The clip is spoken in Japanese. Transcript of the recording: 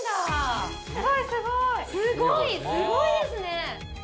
すごいですね！